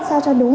sao cho đúng